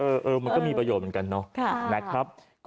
เออมันก็มีประโยชน์เหมือนกันเนาะนะครับ